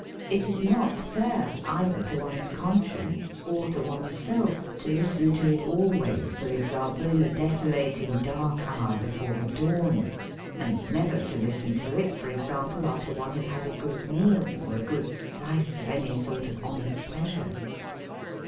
It is not fair, either to one's conscience or to one self, to listen to it always, for example, in the desolating dark hour before the dawn, and never to listen to it, for example, after one has had a good meal or a good slice of any sort of honest pleasure.